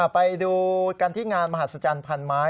ไปดูกันที่งานมหัศจรรย์พันไม้